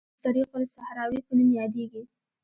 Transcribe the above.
د طریق الصحراوي په نوم یادیږي.